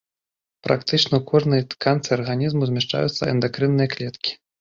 Практычна ў кожнай тканцы арганізму змяшчаюцца эндакрынныя клеткі.